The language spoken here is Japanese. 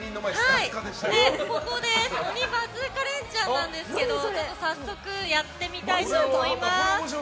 鬼バズーカレンチャンなんですが早速やってみたいと思います。